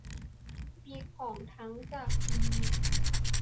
มีของทั้งจากอียิปต์